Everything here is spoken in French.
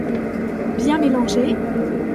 Bien mélanger